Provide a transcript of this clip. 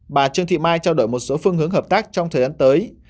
bà trương thị mai trao đổi một số phương hướng hợp tác trong thời gian tới